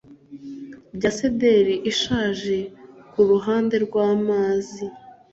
Bya sederi ishaje kuruhande rwamazi